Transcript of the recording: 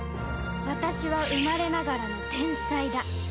私は生まれながらの天才だ